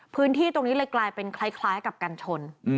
พื้นที่ตรงนี้เลยกลายเป็นคล้ายกับกันชน